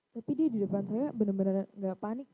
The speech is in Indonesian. tapi dia di depan saya benar benar nggak panik